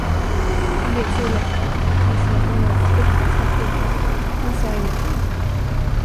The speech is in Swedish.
Hon bet sig i läppen, insinuationen var fruktansvärt tydlig, men sade ingenting.